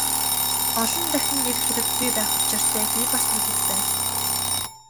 Олон дахин ирэх хэрэггүй байх учиртайг би бас мэдэж байна.